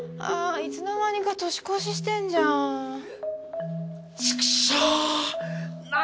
ああいつの間にか年越ししてんじゃん。